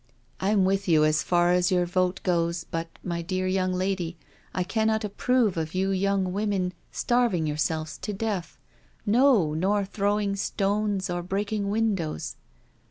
" Tm with you as far as your vote goes, but, my dear young lady, I cannot approve of you young women starving yourselves to death— no, nor throwing stones, or breaking windows."